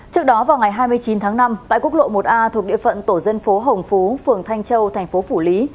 trước đó vào ngày hai mươi chín tháng năm tại quốc lộ một a thuộc địa phận tổ dân phố hồng phú phường thanh châu thành phố phủ lý